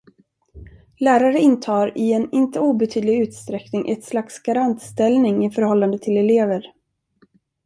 Lärare intar i en inte obetydlig utsträckning ett slags garantställning i förhållande till elever.